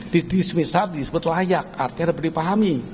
di disemisal disebut layak artinya dapat dipahami